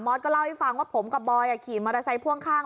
ม็อตก็เล่าให้ฟังว่าผมกับบอยอ่ะขี่มอศัยพ่วงข้าง